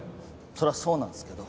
そりゃそうなんですけど。